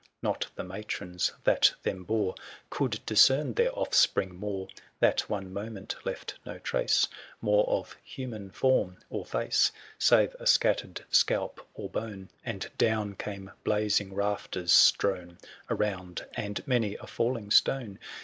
Not the matrons that them bore Could discern their offspring mor e ; That one moment left no trace i005 More of human form or face Save a scattered scalp or bonet And down came blazing rafters, strown Around, and many a falling stone.